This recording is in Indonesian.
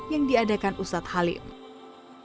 yang diperlukan untuk mencari penyelamat